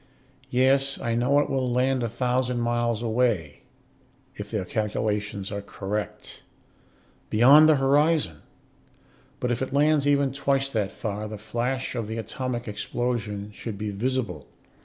Yes, I know, it will land a thousand miles away, if their calculations are correct. Beyond the horizon. But if it lands even twice that far the flash of the atomic explosion should be visible.